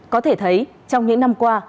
có thể thấy trong những năm qua